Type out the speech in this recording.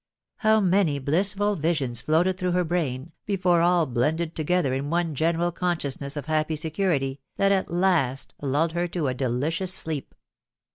How many blissful visions floated through her brain before all blended together in one general consciousness of happy security, that at last lulled her to delicious sleep